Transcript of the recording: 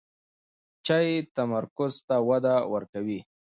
چای تمرکز ته وده ورکوي.